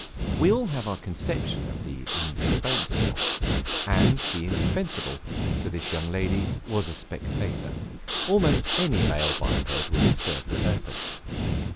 We all have our conception of the indispensable, and the indispensable, to this young lady, was a spectator; almost any male biped would serve the purpose.